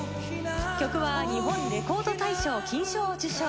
曲は日本レコード大賞金賞を受賞。